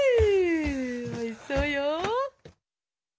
おいしそうよ。